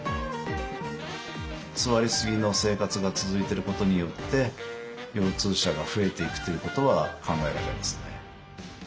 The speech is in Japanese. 座りすぎの生活が続いてることによって腰痛者が増えていくということは考えられますね。